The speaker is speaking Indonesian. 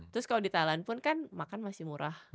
terus kalo di thailand pun kan makan masih murah